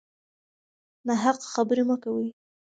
ناحق خبرې مه کوئ.